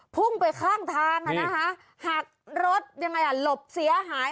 พุ่งไปข้างทางอ่ะนะคะหักรถยังไงอ่ะหลบเสียหาย